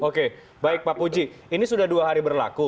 oke baik pak puji ini sudah dua hari berlaku